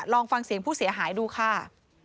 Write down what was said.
ลองฟังเสียงผู้เสียหายดูค่ะ